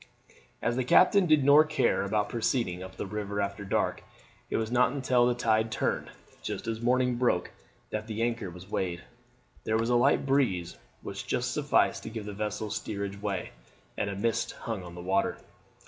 As the captain did nor care about proceeding up the river after dark it was not until the tide turned, just as morning broke, that the anchor was weighed. There was a light breeze which just sufficed to give the vessel steerage way, and a mist hung on the water.